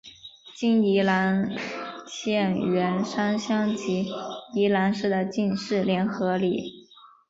今宜兰县员山乡及宜兰市的进士联合里。